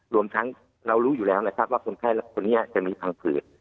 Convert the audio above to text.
รวมทั้งเรารู้อยู่แล้วนะครับว่าคนไข้คนนี้จะมีพังผืด